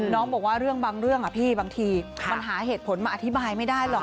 น้องบอกว่าเรื่องบางเรื่องพี่บางทีมันหาเหตุผลมาอธิบายไม่ได้หรอก